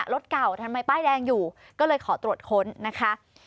รถเก่าทำไมป้ายแดงอยู่ก็เลยขอตรวจค้นนะคะ